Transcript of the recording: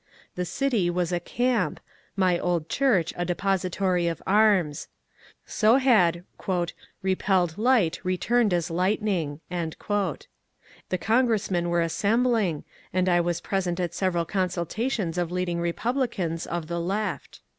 The city was a camp, my old church a depository of arms. So had ^^ repelled light returned as lightning." The congressmen were assembling, and I was present at several consultations of leading Repub licans of the ^^ left."